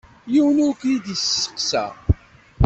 Yiwen ur ken-id-isteqsa.